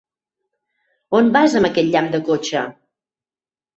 On vas amb aquest llamp de cotxe?